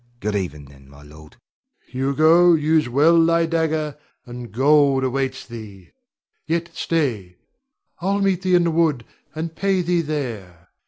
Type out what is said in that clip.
Good even, then, my lord. Rod. Hugo, use well thy dagger, and gold awaits thee. Yet, stay! I'll meet thee in the wood, and pay thee there.